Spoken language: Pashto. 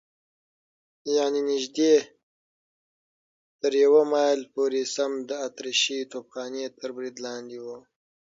یعنې نږدې تر یوه مایل پورې سم د اتریشۍ توپخانې تر برید لاندې و.